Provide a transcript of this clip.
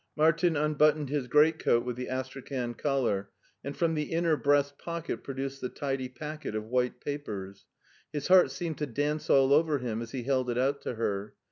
Martin unbuttoned his great coat, with the Astra khan collar, and from the inner breast pocket produced the tidy packet of white papers. His heart seemed to dance all over him as he held it out to her.